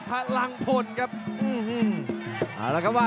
อยากล้ามเหมาะใส่